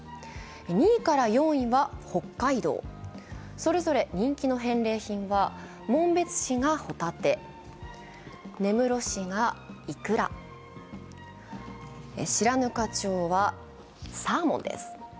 ２位から４位は北海道、それぞれ人気の返礼品は紋別市がほたて、根室市がイクラ、白糠町はサーモンです。